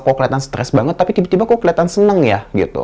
kok kelihatan stres banget tapi tiba tiba kok kelihatan seneng ya gitu